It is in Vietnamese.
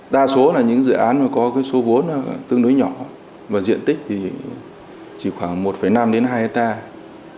đa số là những dự án mà có số vốn tương đối nhỏ và diện tích thì chỉ khoảng một năm đến hai hectare